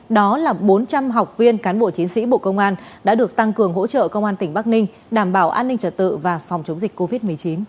đó là bốn trăm linh học viên cán bộ chiến sĩ bộ công an đã được tăng cường hỗ trợ công an tỉnh bắc ninh đảm bảo an ninh trật tự và phòng chống dịch covid một mươi chín